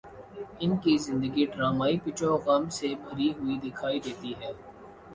ان کی زندگی ڈرامائی پیچ و خم سے بھری ہوئی دکھائی دیتی ہے۔